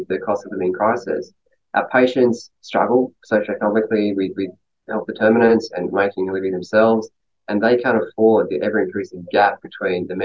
mengapa banyak mahasiswa kedokteran yang menghindari mereka dari berpengalaman